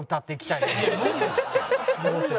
いや無理ですって。